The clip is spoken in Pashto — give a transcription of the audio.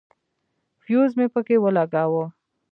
فيوز مې پکښې ولګاوه.